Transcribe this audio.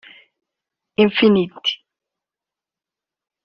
Infinity